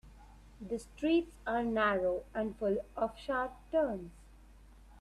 The streets are narrow and full of sharp turns.